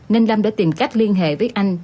nên lâm đã tìm cách liên hệ với anh